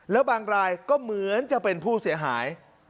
แล้วบางรายก็เหมือนจะเป็นผู้เสียหาย